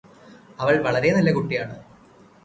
അവൾ വളരെ നല്ല കുട്ടിയാണ്